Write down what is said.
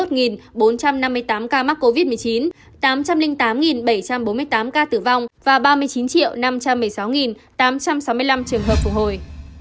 hai mươi bốn trăm năm mươi tám ca mắc covid một mươi chín tám trăm linh tám bảy trăm bốn mươi tám ca tử vong và ba mươi chín năm trăm một mươi sáu tám trăm sáu mươi năm trường hợp phục hồi